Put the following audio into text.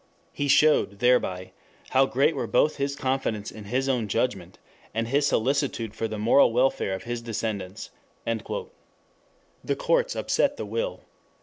He showed thereby how great were both his confidence in his own judgment and his solicitude for the moral welfare of his descendants." The courts upset the will.